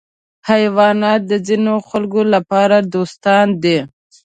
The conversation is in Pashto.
حیوانات د ځینو خلکو لپاره دوستان دي.